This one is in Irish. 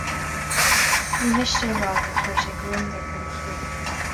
Ní miste a rá gur chuir sé gliondar ar mo chroí.